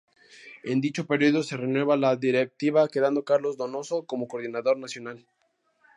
En dicho periodo se renueva la directiva, quedando Carlos Donoso como coordinador nacional.